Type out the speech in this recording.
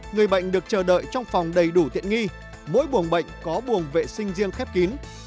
người bệnh được chờ đợi trong phòng đầy đủ tiện nghi mỗi buồng bệnh có buồng vệ sinh riêng khép kín